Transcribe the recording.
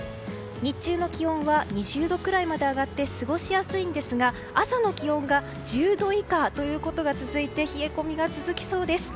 日中の気温は２０度くらいまで上がって過ごしやすいんですが朝の気温が１０度以下ということが続いて冷え込みが続きそうです。